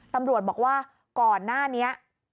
ตำรวจบอกว่าก่อนหน้านี้